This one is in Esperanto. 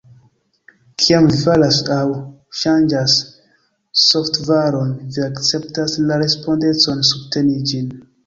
Kiam vi faras aŭ ŝanĝas softvaron, vi akceptas la respondecon subteni ĝin.